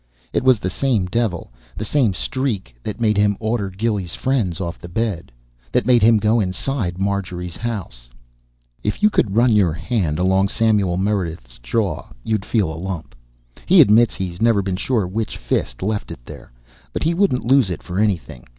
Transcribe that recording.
It was the same devil, the same streak that made him order Gilly's friends off the bed, that made him go inside Marjorie's house. If you could run your hand along Samuel Meredith's jaw you'd feel a lump. He admits he's never been sure which fist left it there, but he wouldn't lose it for anything.